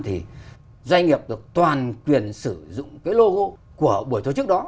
thì doanh nghiệp được toàn quyền sử dụng cái logo của buổi tổ chức đó